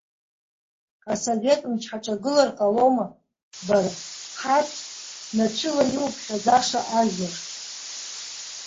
Асовет мчы ҳаҿагылар ҟалома, бара, ҳарҭ, нацәыла иуԥхьаӡаша ажәлар?!